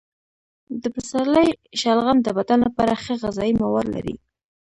د پسرلي شلغم د بدن لپاره ښه غذايي مواد لري.